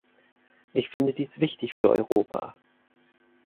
Ich finde dies wichtig für Europa.